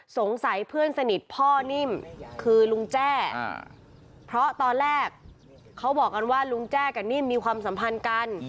สงสัยเพื่อนสนิทพ่อนิ่มคือลุงแจ้เพราะตอนแรกเขาบอกกันว่าลุงแจ้กับนิ่มมีความสัมพันธ์กัน